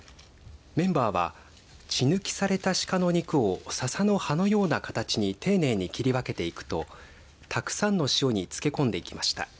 メンバーは血抜きされたシカの肉をささの葉のような形に丁寧に切り分けていくとたくさんの塩に漬け込んでいきました。